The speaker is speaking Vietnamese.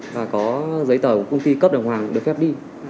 và có giấy tờ của công ty cấp đồng hoàng được phép đi